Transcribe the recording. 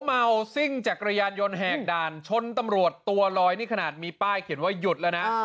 เมาซิ่งจักรยานยนต์แหกด่านชนตำรวจตัวลอยนี่ขนาดมีป้ายเขียนว่าหยุดแล้วนะ